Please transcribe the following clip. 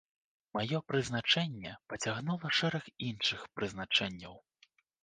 Маё прызначэнне пацягнула шэраг іншых прызначэнняў.